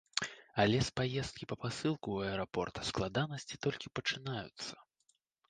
Але з паездкі па пасылку ў аэрапорт складанасці толькі пачынаюцца.